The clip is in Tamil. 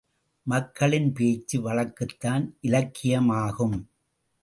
மக்களின் பேச்சு வழக்குதான் இலக்கியமாகும்.